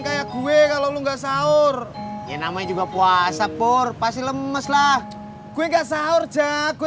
kayak gue kalau lu nggak sahur ya namanya juga puasa pur pasti lemeslah gue nggak sahur jak gue